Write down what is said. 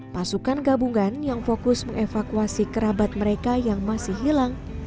pasukan gabungan yang fokus mengevakuasi kerabat mereka yang masih hilang